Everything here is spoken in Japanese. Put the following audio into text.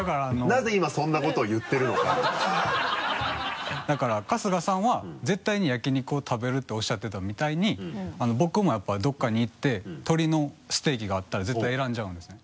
なぜ今そんなことを言ってるのかだから春日さんは絶対に焼き肉を食べるとおっしゃってたみたいに僕もやっぱりどこかに行って鶏のステーキがあったら絶対に選んじゃうんですよ。